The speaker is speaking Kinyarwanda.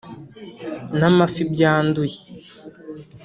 n’amafi byanduye